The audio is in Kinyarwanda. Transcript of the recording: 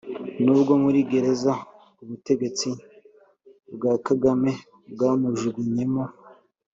n’ubwo muri gereza ubutegetsi bwa Kagame bwamujugumyemo